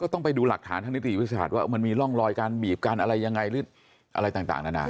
ต้องไปดูหลักฐานทางนิติวิทยาศาสตร์ว่ามันมีร่องรอยการบีบกันอะไรยังไงหรืออะไรต่างนานา